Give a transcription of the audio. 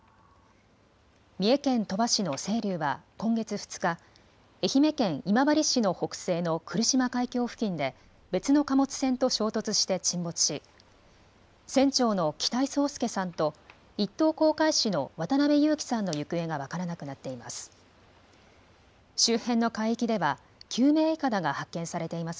三重県鳥羽市のせいりゅうは今月２日、愛媛県今治市の北西の来島海峡付近で別の貨物船と衝突して沈没し船長の北井宗祐さんと一等航海士の渡辺侑樹さんの行方が分からなくなっています。